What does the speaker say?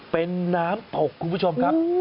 เป็นน้ำตกคุณผู้ชมครับ